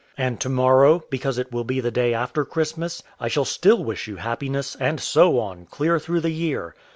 And to morrow, because it will be the day after Christmas, I shall still wish you happiness; and so on, clear through the year.